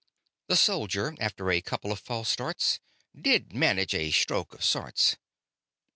The soldier, after a couple of false starts, did manage a stroke of sorts.